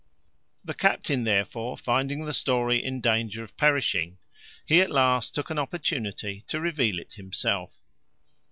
The captain, therefore, finding the story in danger of perishing, at last took an opportunity to reveal it himself.